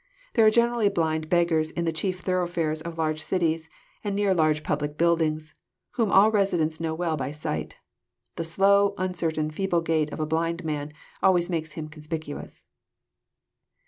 There are generally blind beggars in the chief thoroughfares of large cit ies, and near large public buildings, whom all residents know well by sight. The slow, uncertain, feeble gait of a blind man always makes him conspicuous.